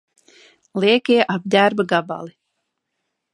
Liekie apģērba gabali